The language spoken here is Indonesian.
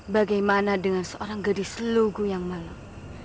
bagaimana dengan seorang gadis lugu yang malam